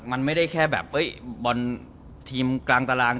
มันไม่ได้แค่แบบบอลทีมกลางตาราง